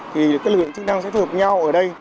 thì các lực lượng chức năng sẽ phù hợp nhau ở đây